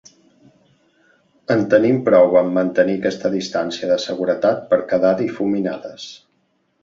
En tenim prou amb mantenir aquesta distància de seguretat per quedar difuminades.